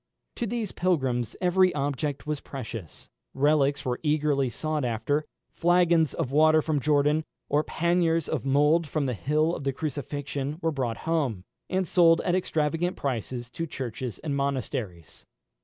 To these pilgrims every object was precious. Relics were eagerly sought after; flagons of water from Jordan, or panniers of mould from the hill of the Crucifixion, were brought home, and sold at extravagant prices to churches and monasteries.